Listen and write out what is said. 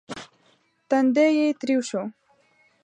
تندی يې تريو شو.